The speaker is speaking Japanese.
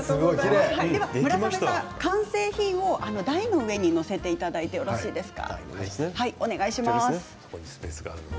村雨さん、完成品を台の上に載せていただいてよろしいですか。